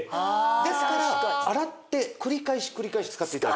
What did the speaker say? ですから洗って繰り返し繰り返し使って頂けます。